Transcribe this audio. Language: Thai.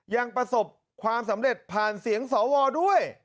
ยังประสบความสำเร็จผ่านเสียงสวด้วย